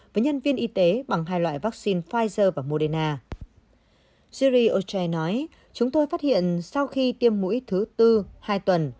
zili rireb ochai nói chúng tôi phát hiện sau khi tiêm mũi thứ tư hai tuần